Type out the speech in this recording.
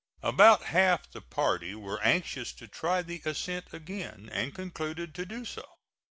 About half the party were anxious to try the ascent again, and concluded to do so.